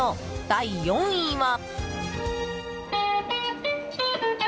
第４位は。